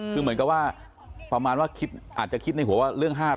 คือเหมือนก็คิดในหัวว่า๕๐๐๕๐๐